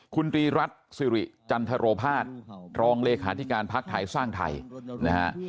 คุณตรีรัฐสิริจันทรภาษรองเลขาธิการพักไทยสร้างไทยนะฮะ